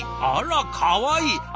あらかわいい！